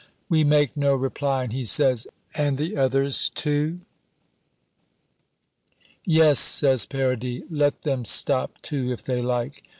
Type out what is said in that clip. We make no reply, and he says, "And the others too?" "Yes," says Paradis, "let them stop too, if they like."